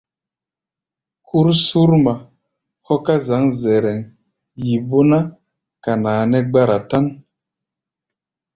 Kúr Surma hɔ́ ká zǎŋ Zɛrɛŋ, yi bó ná, kana nɛ́ gbára tán.